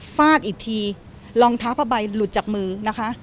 ฟาดอีกทีรองเท้าผ้าใบหลุดจากมือนะคะ